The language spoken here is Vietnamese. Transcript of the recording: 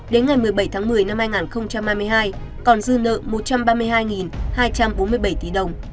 đến ngày một mươi bảy một mươi hai nghìn hai mươi hai còn dư nợ một trăm ba mươi hai hai trăm bốn mươi bảy tỷ đồng không có khả năng thu hồi